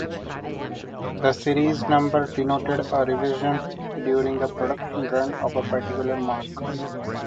The series number denoted a revision during the production run of a particular Mark.